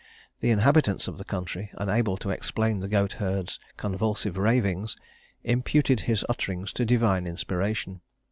The inhabitants of the country, unable to explain the goatherd's convulsive ravings, imputed his utterings to divine inspiration.